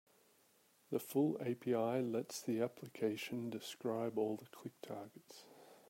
The full API lets the application describe all the click targets.